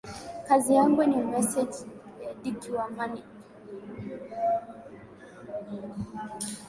kazi yangu ni massage pedicure macure